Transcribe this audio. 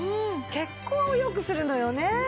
血行を良くするのよね。